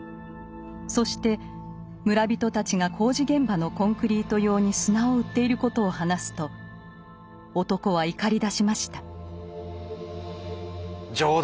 そして村人たちが工事現場のコンクリート用に砂を売っていることを話すと男は怒りだしました。